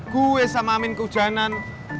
gue sama amin keujanan